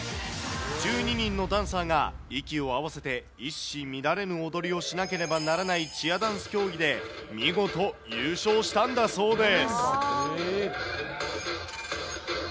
１２人のダンサーが息を合わせて一糸乱れぬ踊りをしなければならないチアダンス競技で、見事優勝したんだそうです。